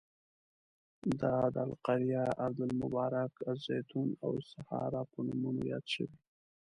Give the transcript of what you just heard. دا د القریه، ارض المبارک، الزیتون او الساهره په نومونو یاد شوی.